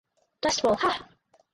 Dust Bowl Ha!